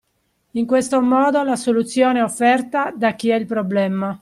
In questo modo la soluzione è offerta da chi ha il problema